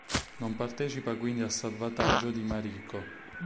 Non partecipa quindi al salvataggio di Mariko.